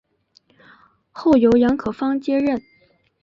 后由杨可芳接任。